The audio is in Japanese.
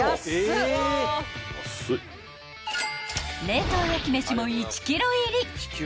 ［冷凍焼き飯も１ｋｇ入り］